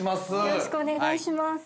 「よろしくお願いします」